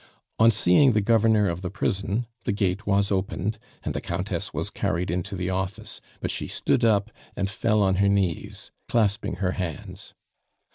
On seeing the Governor of the prison, the gate was opened, and the Countess was carried into the office, but she stood up and fell on her knees, clasping her hands.